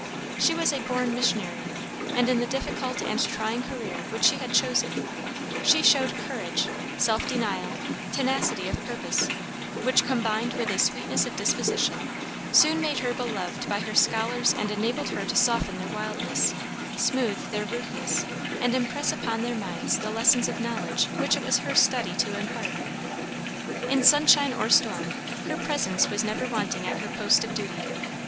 She was a born missionary, and in the difficult and trying career which she had chosen, she showed courage, self denial, tenacity of purpose, which, combined with a sweetness of disposition, soon made her beloved by her scholars and enabled her to soften their wildness, smooth their rudeness, and impress upon their minds the lessons of knowledge which it was her study to impart. In sunshine or storm her presence was never wanting at her post of duty.